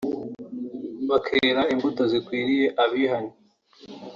bakera imbuto zikwiriye abihannye